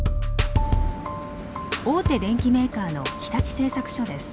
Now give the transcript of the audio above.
大手電機メーカーの日立製作所です。